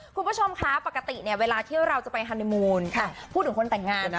คุณผู้ชมคะปกติเนี่ยเวลาที่เราจะไปฮานีมูลพูดถึงคนแต่งงานนะ